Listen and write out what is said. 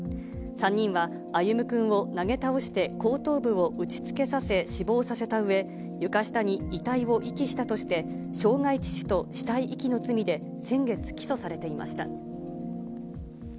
３人は、歩夢くんを投げ倒して、後頭部を打ちつけさせ、死亡させたうえ、床下に遺体を遺棄したとして、傷害致死と死体遺棄の罪で先月、起訴されていました。